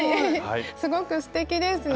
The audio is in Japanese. すごくすてきですね。